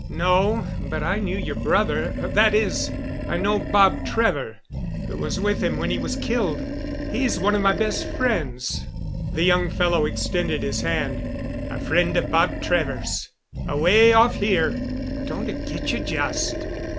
"No, but I knew your brother that is, I know Bob Trevor, who was with him when he was killed. He's one of my best friends." The young fellow extended his hand. "A friend of Bob Trevor's away off here! Don't it get you, just?"